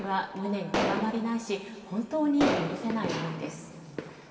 その思いは無念極まりないし本当に許せない思いです。